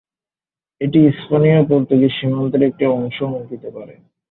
এটি স্পেনীয়-পর্তুগিজ সীমান্তের একটি অংশও অঙ্কিত করে।